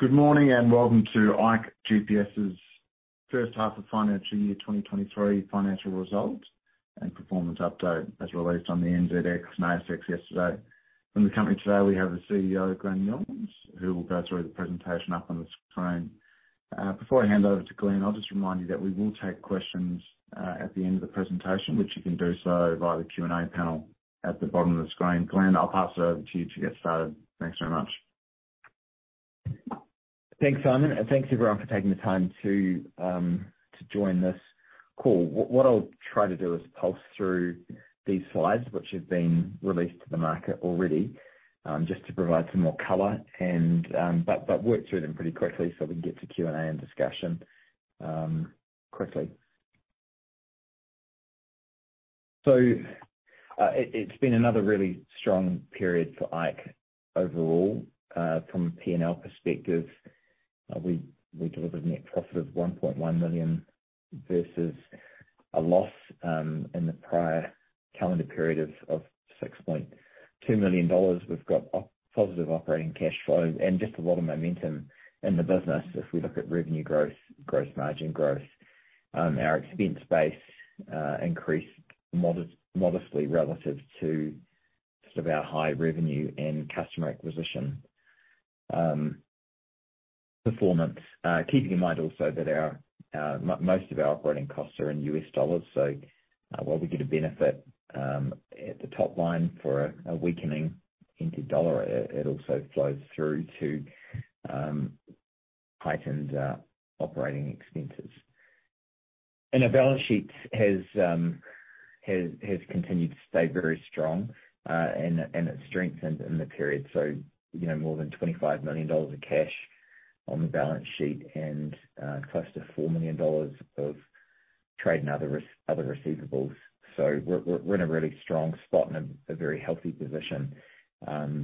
Good morning, welcome to ikeGPS's first half of financial year 2023 financial results and performance update, as released on the NZX and ASX yesterday. From the company today we have the CEO, Glenn Milnes, who will go through the presentation up on the screen. Before I hand over to Glenn, I'll just remind you that we will take questions at the end of the presentation, which you can do so via the Q&A panel at the bottom of the screen. Glenn, I'll pass it over to you to get started. Thanks very much. Thanks, Simon. Thanks everyone for taking the time to join this call. What I'll try to do is pulse through these slides, which have been released to the market already, just to provide some more color and, but work through them pretty quickly so we can get to Q&A and discussion quickly. It's been another really strong period for ike overall. From a P&L perspective, we delivered net profit of 1.1 million versus a loss in the prior calendar period of 6.2 million dollars. We've got positive operating cash flow and just a lot of momentum in the business if we look at revenue growth, gross margin growth. Our expense base increased modestly relative to sort of our high revenue and customer acquisition performance. Keeping in mind also that our most of our operating costs are in USD. While we get a benefit at the top line for a weakening NZD, it also flows through to heightened OpEx. Our balance sheet has continued to stay very strong and it's strengthened in the period. You know, more than 25 million dollars of cash on the balance sheet and close to 4 million dollars of trade and other receivables. We're in a really strong spot and a very healthy position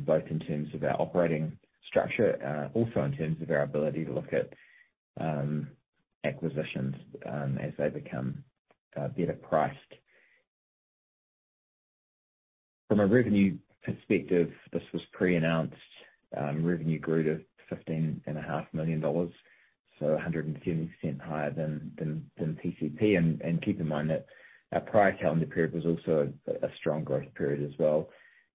both in terms of our operating structure, also in terms of our ability to look at acquisitions as they become better priced. From a revenue perspective, this was pre-announced. Revenue grew to 15,500,000 dollars, so 170% higher than PCP. Keep in mind that our prior calendar period was also a strong growth period as well.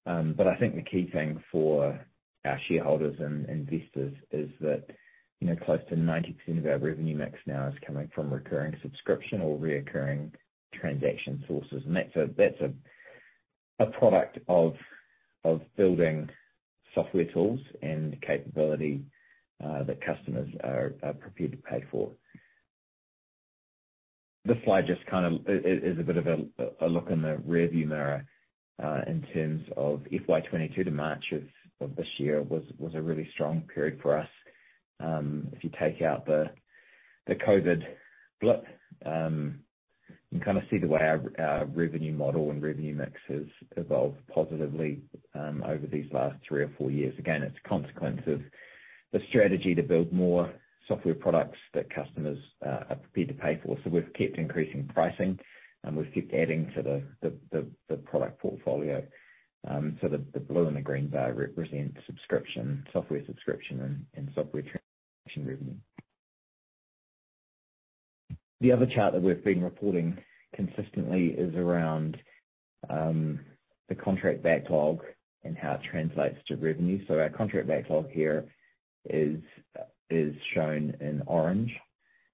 I think the key thing for our shareholders and investors is that, you know, close to 90% of our revenue mix now is coming from recurring subscription or reoccurring transaction sources. That's a product of building software tools and capability that customers are prepared to pay for. This slide just kind of is a bit of a look in the rearview mirror, in terms of FY22 to March of this year was a really strong period for us. If you take out the COVID blip, you can kinda see the way our revenue model and revenue mix has evolved positively over these last three or four years. Again, it's a consequence of the strategy to build more software products that customers are prepared to pay for. We've kept increasing pricing, and we've kept adding to the product portfolio. The blue and the green bar represent subscription, software subscription and software transaction revenue. The other chart that we've been reporting consistently is around the contract backlog and how it translates to revenue. Our contract backlog here is shown in orange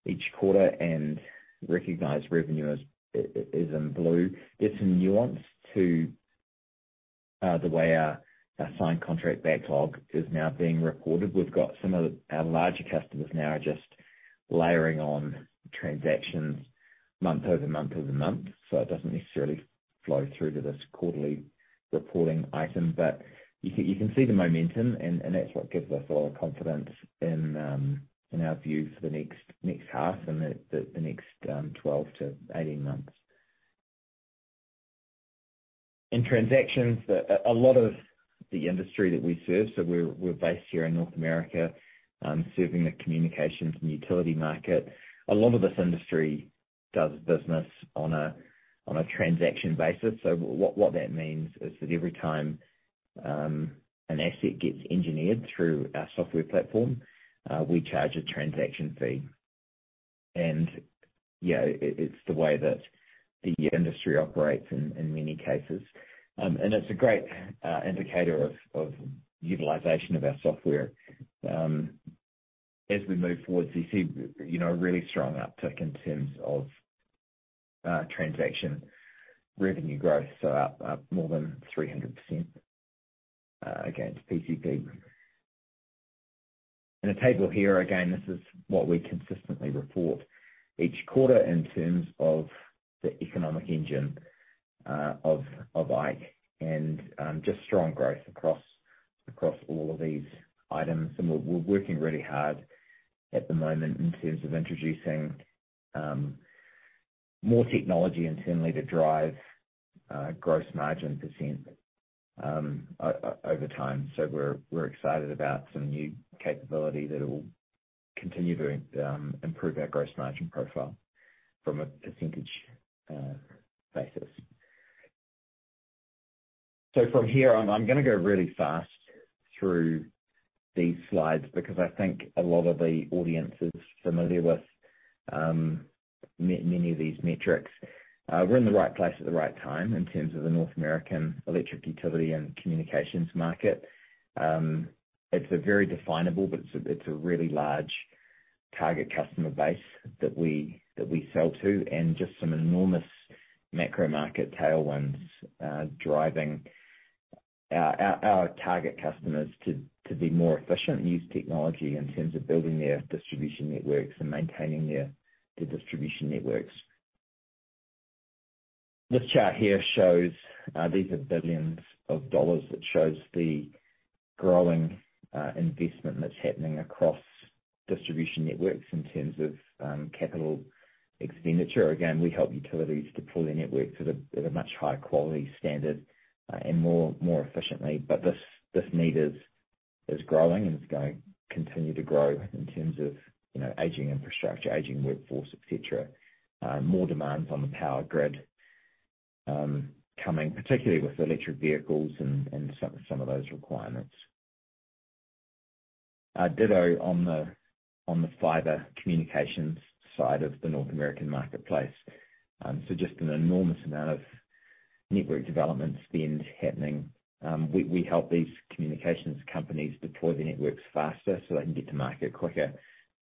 each quarter, and recognized revenue is in blue. There's some nuance to the way our signed contract backlog is now being reported. We've got some of our larger customers now are just layering on transactions month-over-month-over-month, so it doesn't necessarily flow through to this quarterly reporting item. You can see the momentum and that's what gives us a lot of confidence in our view for the next half and the next 12 to 18 months. In transactions, a lot of the industry that we serve, so we're based here in North America, serving the communications and utility market. A lot of this industry does business on a transaction basis. What that means is that every time an asset gets engineered through our software platform, we charge a transaction fee. You know, it's the way that the industry operates in many cases. It's a great indicator of utilization of our software as we move forward. You see, you know, a really strong uptick in terms of transaction revenue growth, up more than 300% against PCP. In the table here, again, this is what we consistently report each quarter in terms of the economic engine of IKE and just strong growth across all of these items. We're working really hard at the moment in terms of introducing more technology internally to drive gross margin percent over time. We're excited about some new capability that will continue to improve our gross margin profile from a percentage basis. From here, I'm going to go really fast through these slides because I think a lot of the audience is familiar with many of these metrics. We're in the right place at the right time in terms of the North American electric utility and communications market. It's a very definable, but it's a really large target customer base that we sell to, and just some enormous macro market tailwinds driving our target customers to be more efficient and use technology in terms of building their distribution networks and maintaining the distribution networks. This chart here shows, these are billions of dollars. It shows the growing investment that's happening across distribution networks in terms of CapEx. We help utilities deploy their networks at a much higher quality standard and more efficiently. This need is growing, and it's gonna continue to grow in terms of, you know, aging infrastructure, aging workforce, et cetera. More demands on the power grid coming particularly with electric vehicles and some of those requirements. Ditto on the fiber communications side of the North American marketplace. Just an enormous amount of network development spend happening. We help these communications companies deploy their networks faster they can get to market quicker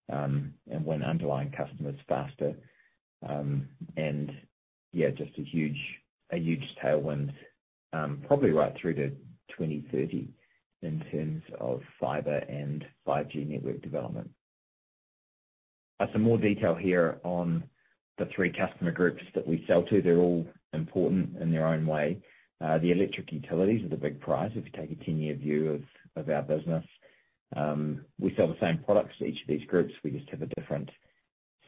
and win underlying customers faster. Yeah, just a huge tailwind, probably right through to 2030 in terms of fiber and 5G network development. Some more detail here on the three customer groups that we sell to. They're all important in their own way. The electric utilities are the big prize if you take a 10-year view of our business. We sell the same products to each of these groups. We just have a different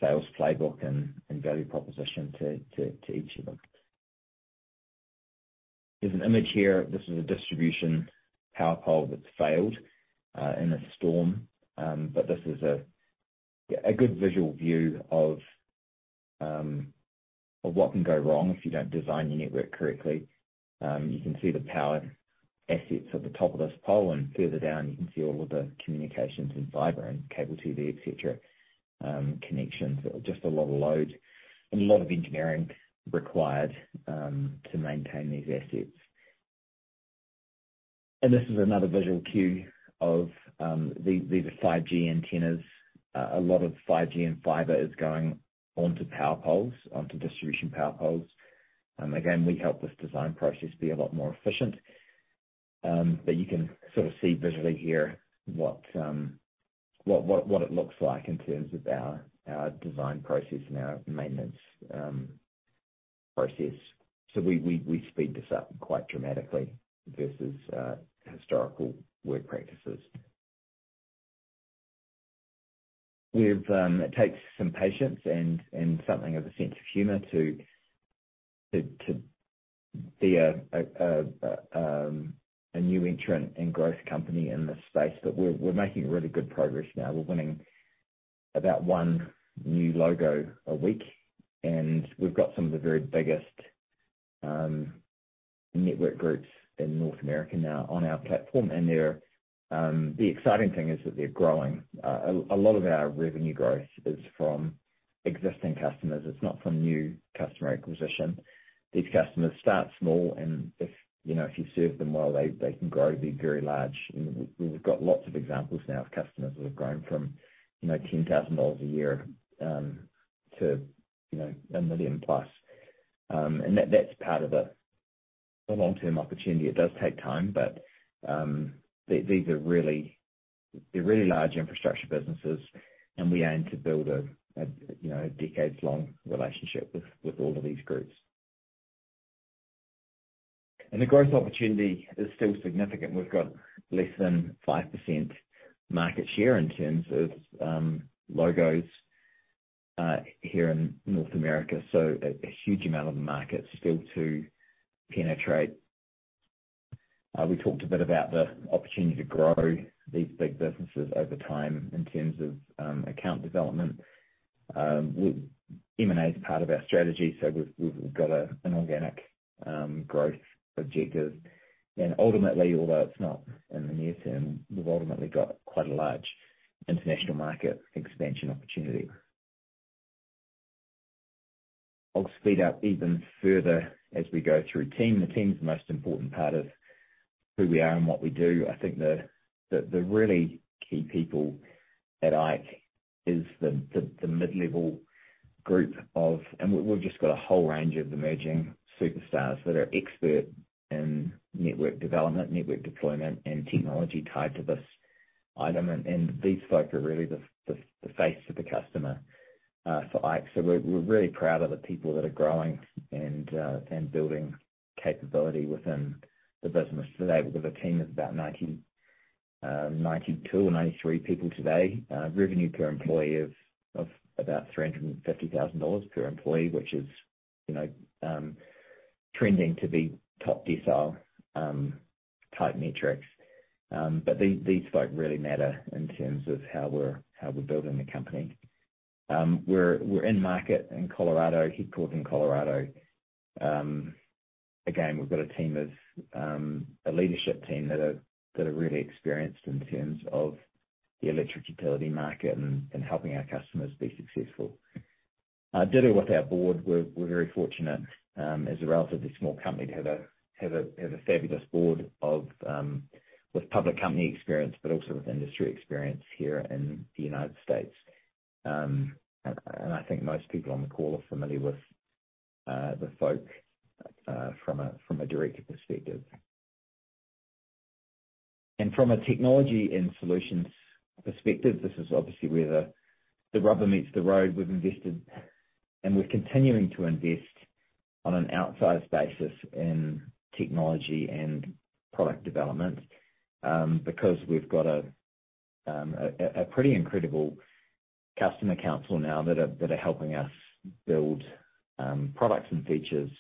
sales playbook and value proposition to each of them. There's an image here. This is a distribution power pole that's failed in a storm. This is a good visual view of what can go wrong if you don't design your network correctly. You can see the power assets at the top of this pole, and further down you can see all of the communications and fiber and cable TV, et cetera, connections. Just a lot of load and a lot of engineering required to maintain these assets. This is another visual cue of these are 5G antennas. A lot of 5G and fiber is going onto power poles, onto distribution power poles. Again, we help this design process be a lot more efficient. But you can sort of see visually here what it looks like in terms of our design process and our maintenance process. We speed this up quite dramatically versus historical work practices. It takes some patience and something of a sense of humor to be a new entrant and growth company in this space. We're making really good progress now. We're winning about one new logo a week, and we've got some of the very biggest network groups in North America now on our platform. The exciting thing is that they're growing. A lot of our revenue growth is from existing customers. It's not from new customer acquisition. These customers start small, and if, you know, if you serve them well, they can grow to be very large. We've got lots of examples now of customers that have grown from, you know, 10,000 dollars a year, to, you know, 1 million plus. That's part of the long-term opportunity. It does take time, but these are really large infrastructure businesses, and we aim to build a, you know, a decades long relationship with all of these groups. The growth opportunity is still significant. We've got less than 5% market share in terms of logos here in North America, so a huge amount of the market still to penetrate. We talked a bit about the opportunity to grow these big businesses over time in terms of account development. M&A is part of our strategy, so we've got an organic growth objective. Ultimately, although it's not in the near term, we've ultimately got quite a large international market expansion opportunity. I'll speed up even further as we go through team. The team's the most important part of who we are and what we do. I think the really key people at IKE is the mid-level group of, we've just got a whole range of emerging superstars that are expert in network development, network deployment, and technology tied to this item. These folks are really the face to the customer for IKE. We're really proud of the people that are growing and building capability within the business. Today, we've got a team of about 90, 92 or 93 people today. Revenue per employee of about $350,000 per employee, which is, you know, trending to be top decile type metrics. But these folks really matter in terms of how we're building the company. We're in market in Colorado, headquarters in Colorado. Again, we've got a team of a leadership team that are really experienced in terms of the electric utility market and helping our customers be successful. Ditto with our board. We're very fortunate as a relatively small company to have a fabulous board of with public company experience, but also with industry experience here in the United States. I think most people on the call are familiar with the folk from a director perspective. From a technology and solutions perspective, this is obviously where the rubber meets the road. We've invested, and we're continuing to invest on an outsized basis in technology and product development, because we've got a pretty incredible customer council now that are helping us build products and features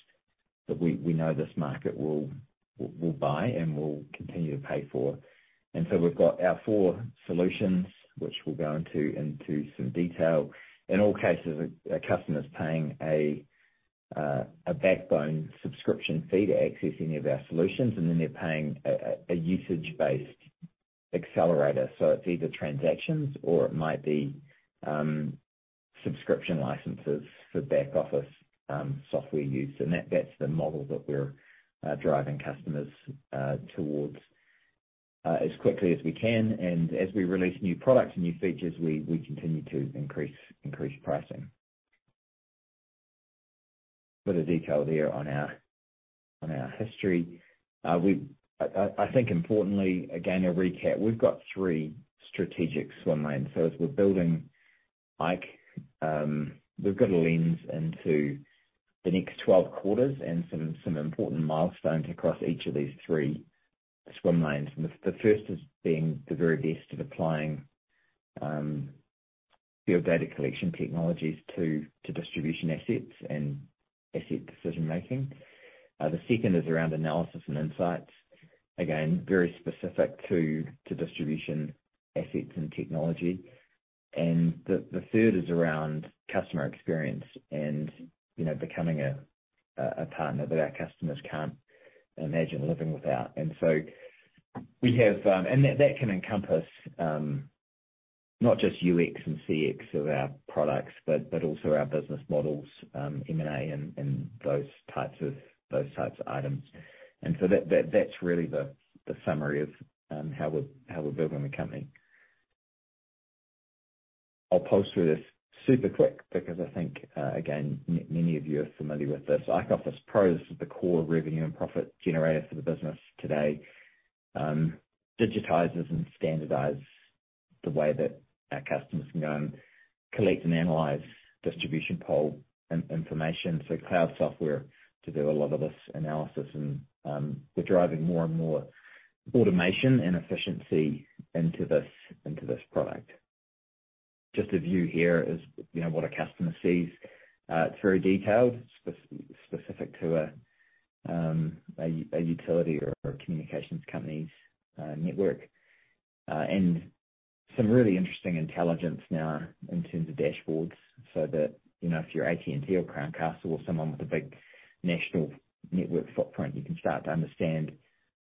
that we know this market will buy and will continue to pay for. We've got our 4 solutions, which we'll go into some detail. In all cases, a customer's paying a backbone subscription fee to access any of our solutions, and then they're paying a usage-based accelerator. It's either transactions or it might be subscription licenses for back office software use. That's the model that we're driving customers towards as quickly as we can. As we release new products and new features, we continue to increase pricing. Bit of detail there on our, on our history. I think importantly, again, a recap, we've got three strategic swim lanes. As we're building IKE, we've got to lean into the next 12 quarters and some important milestones across each of these three swim lanes. The first is being the very best at applying field data collection technologies to distribution assets and asset decision making. The second is around analysis and insights. Again, very specific to distribution assets and technology. The third is around customer experience and, you know, becoming a partner that our customers can't imagine living without. That can encompass not just UX and CX of our products, but also our business models, M&A and those types of items. That's really the summary of how we're building the company. I'll post through this super quick because I think again, many of you are familiar with this. IKE Office Pro, this is the core revenue and profit generator for the business today. Digitizes and standardizes the way that our customers can go and collect and analyze distribution pole information. Cloud software to do a lot of this analysis and we're driving more and more automation and efficiency into this product. Just a view here is, you know, what a customer sees. It's very detailed, spec-specific to a utility or a communications company's network. And some really interesting intelligence now in terms of dashboards, so that, you know, if you're AT&T or Crown Castle or someone with a big national network footprint, you can start to understand,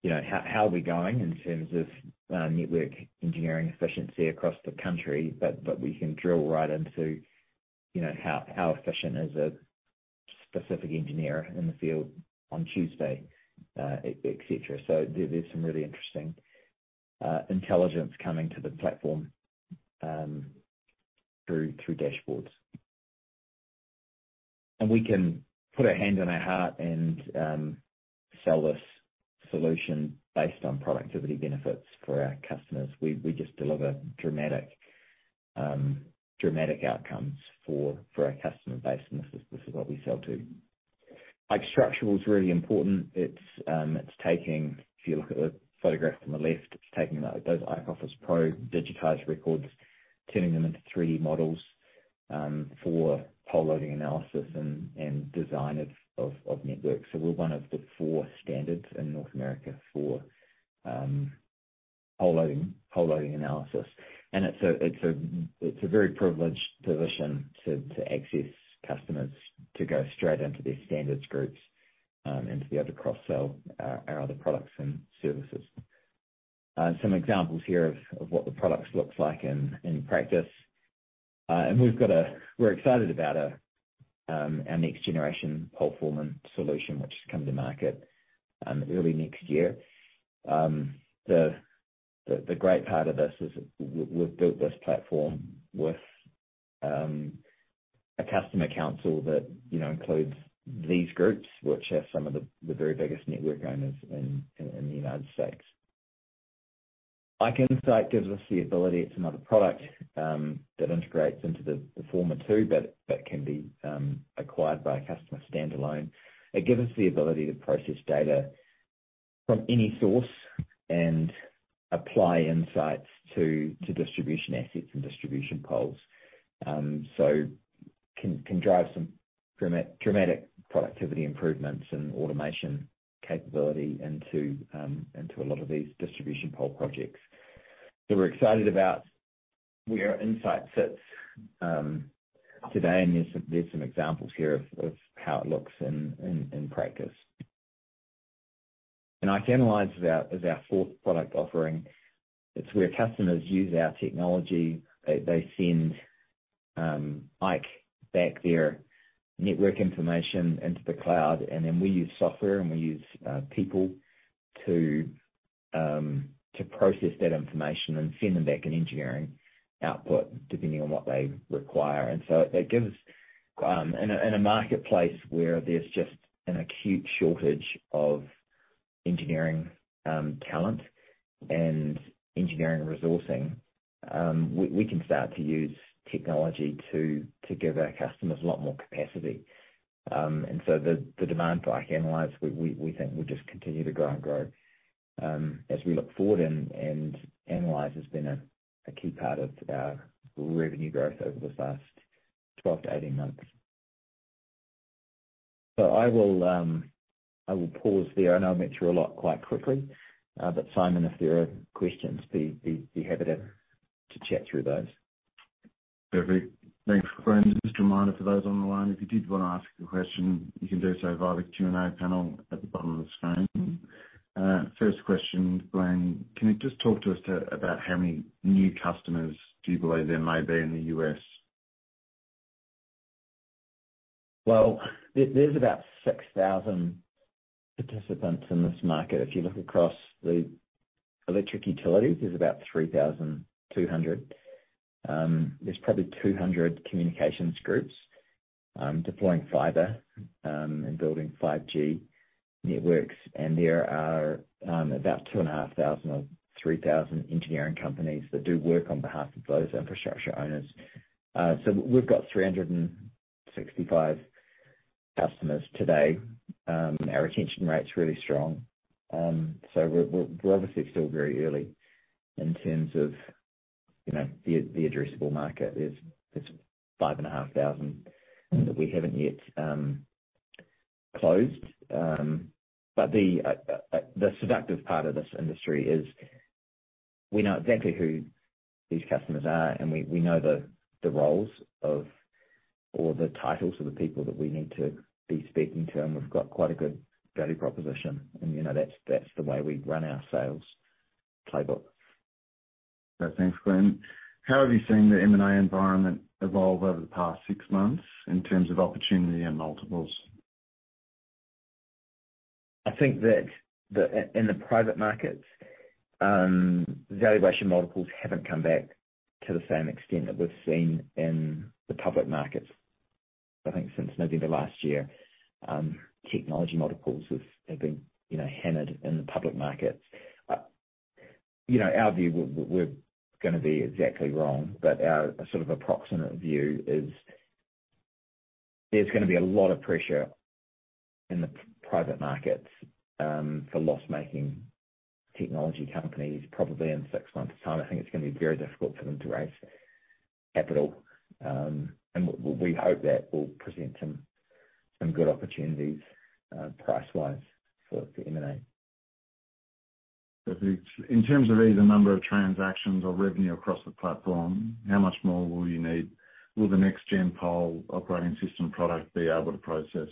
you know, how are we going in terms of network engineering efficiency across the country. We can drill right into, you know, how efficient is a specific engineer in the field on Tuesday, et cetera. There's some really interesting intelligence coming to the platform through dashboards. We can put our hand on our heart and sell this solution based on productivity benefits for our customers. We just deliver dramatic outcomes for our customer base, and this is what we sell to. IKE Structural is really important. It's taking, if you look at the photograph on the left, it's taking those IKE Office Pro digitized records, turning them into 3D models for pole loading analysis and design of networks. We're one of the 4 standards in North America for pole loading analysis. It's a very privileged position to access customers to go straight into their standards groups and to be able to cross-sell our other products and services. Some examples here of what the products looks like in practice. We're excited about our next generation IKE PoleForeman solution which has come to market early next year. The great part of this is we've built this platform with a customer council that, you know, includes these groups, which are some of the very biggest network owners in the United States. IKE Insight gives us the ability, it's another product that integrates into the former two, but that can be acquired by a customer standalone. It gives us the ability to process data from any source and apply insights to distribution assets and distribution poles. Can drive some dramatic productivity improvements and automation capability into a lot of these distribution pole projects. We're excited about where IKE Insight sits today, there's some examples here of how it looks in practice. IKE Analyze is our fourth product offering. It's where customers use our technology. They send ikeGPS back their network information into the cloud, then we use software and we use people to process that information and send them back an engineering output depending on what they require. It gives, in a marketplace where there's just an acute shortage of engineering talent and engineering resourcing, we can start to use technology to give our customers a lot more capacity. The demand for IKE Analyze we think will just continue to grow and grow as we look forward. Analyze has been a key part of our revenue growth over this past 12-18 months. I will pause there. I know I went through a lot quite quickly, Simon, if there are questions, I'll be happy to chat through those. Perfect. Thanks, Glenn. Just a reminder for those on the line, if you did wanna ask a question, you can do so via the Q&A panel at the bottom of the screen. First question, Glenn. Can you just talk to us about how many new customers do you believe there may be in the U.S.? There's about 6,000 participants in this market. If you look across the electric utilities, there's about 3,200. There's probably 200 communications groups deploying fiber and building 5G networks. There are about 2,500 or 3,000 engineering companies that do work on behalf of those infrastructure owners. We've got 365 customers today. Our retention rate's really strong. We're obviously still very early in terms of, you know, the addressable market. There's 5,500 that we haven't yet closed. The seductive part of this industry is we know exactly who these customers are, and we know the roles of, or the titles of the people that we need to be speaking to, and we've got quite a good value proposition. You know, that's the way we run our sales playbook. Thanks, Glenn. How have you seen the M&A environment evolve over the past six months in terms of opportunity and multiples? I think that the, in the private markets, valuation multiples haven't come back to the same extent that we've seen in the public markets. I think since November last year, technology multiples have been, you know, hammered in the public markets. You know, our view we're gonna be exactly wrong, but our sort of approximate view is there's gonna be a lot of pressure in the private markets, for loss-making technology companies. Probably in 6 months time, I think it's gonna be very difficult for them to raise capital. We hope that will present some good opportunities, price-wise for M&A. In terms of either number of transactions or revenue across the platform, how much more will you need? Will the next gen pole operating system product be able to process?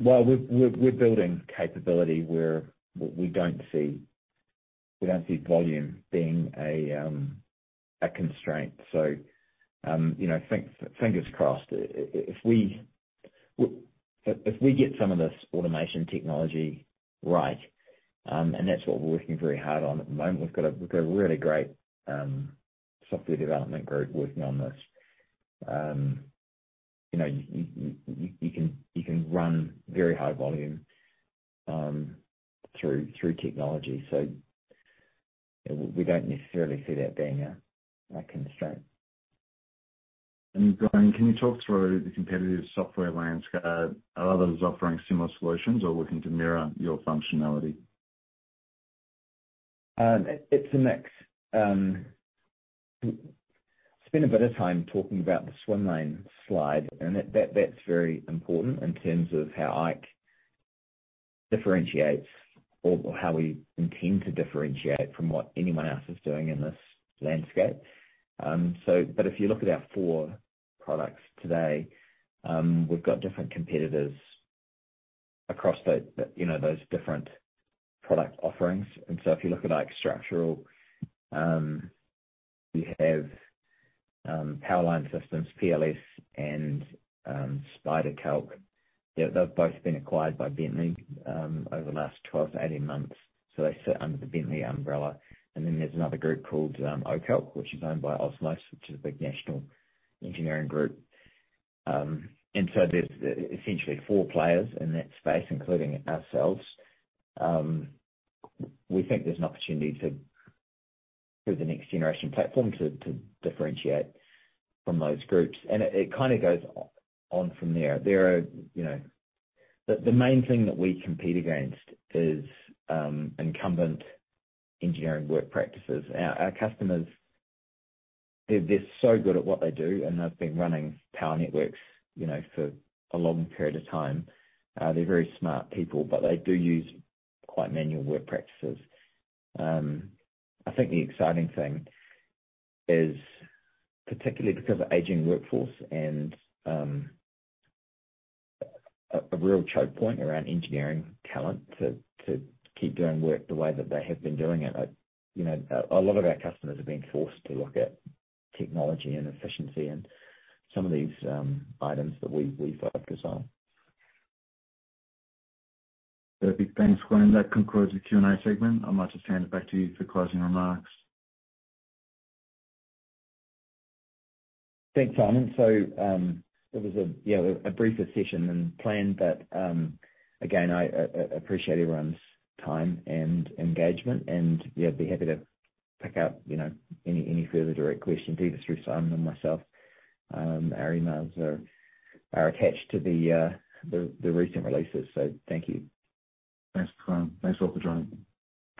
Well, we're building capability where we don't see volume being a constraint. You know, fingers crossed if we get some of this automation technology right, and that's what we're working very hard on at the moment. We've got a really great software development group working on this. You know, you can run very high volume through technology. We don't necessarily see that being a constraint. Glenn, can you talk through the competitive software. Are others offering similar solutions or looking to mirror your functionality? It's a mix. I spent a bit of time talking about the swim lane slide, and that's very important in terms of how Ike differentiates or how we intend to differentiate from what anyone else is doing in this landscape. If you look at our four products today, we've got different competitors across the, you know, those different product offerings. If you look at IKE Structural, you have Power Line Systems, PLS and SPIDAcalc. They've both been acquired by Bentley over the last 12-18 months, so they sit under the Bentley umbrella. There's another group called O-Calc Pro, which is owned by Osmose, which is a big national engineering group. There's essentially four players in that space, including ourselves. We think there's an opportunity to, through the next generation platform to differentiate from those groups. It kinda goes on from there. There are, you know. The main thing that we compete against is incumbent engineering work practices. Our customers, they're so good at what they do, and they've been running power networks, you know, for a long period of time. They're very smart people, they do use quite manual work practices. I think the exciting thing is particularly because of aging workforce and a real choke point around engineering talent to keep doing work the way that they have been doing it. You know, a lot of our customers are being forced to look at technology and efficiency and some of these items that we focus on. Perfect. Thanks, Glenn. That concludes the Q&A segment. I might just hand it back to you for closing remarks. Thanks, Simon. It was a, yeah, a briefer session than planned, but, again, I appreciate everyone's time and engagement. Yeah, be happy to pick up, you know, any further direct questions either through Simon or myself. Our emails are attached to the, the recent releases. Thank you. Thanks, Glenn. Thanks all for joining.